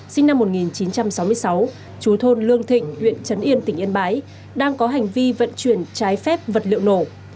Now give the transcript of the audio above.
sinh năm một nghìn chín trăm sáu mươi sáu chú thôn lương thịnh huyện trấn yên tỉnh yên bái đang có hành vi vận chuyển trái phép vật liệu nổ